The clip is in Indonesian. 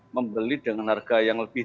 membeli dengan harga yang lebih